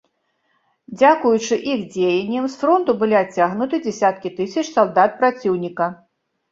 Дзякуючы іх дзеянням, з фронту былі адцягнуты дзесяткі тысяч салдат праціўніка.